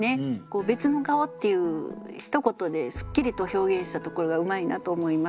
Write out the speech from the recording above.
「別の顔」っていうひと言ですっきりと表現したところがうまいなと思います。